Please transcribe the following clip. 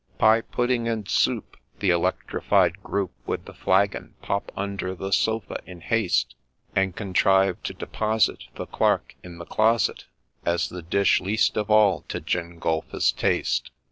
Pig, pudding, and soup, the electrified group, With the flagon, pop under the sofa in haste, And contrive to deposit the Clerk in the closet, As the dish least of all to Gengulphus's taste.